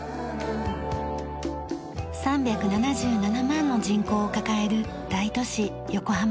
３７７万の人口を抱える大都市横浜。